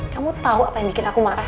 kamu tahu apa yang bikin aku marah